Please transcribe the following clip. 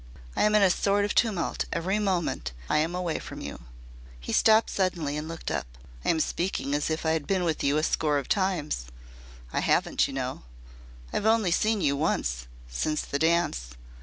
I am in a sort of tumult every moment I am away from you." He stopped suddenly and looked up. "I am speaking as if I had been with you a score of times. I haven't, you know. I have only seen you once since the dance.